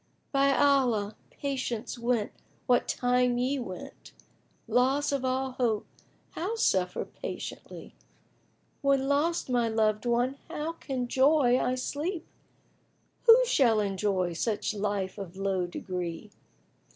By Allah, Patience went what time ye went! * Loss of all Hope how suffer patiently? When lost my loved one how can' joy I sleep? * Who shall enjoy such life of low degree?